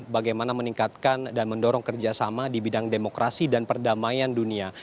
bagaimana meningkatkan dan mendorong kerjasama di bidang demokrasi dan perdamaian dunia